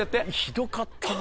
ひどかったな。